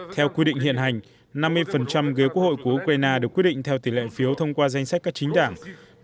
theo quy định hiện hành năm mươi ghế quốc hội của ukraine được quyết định theo tỷ lệ phiếu thông qua danh sách các chính đảng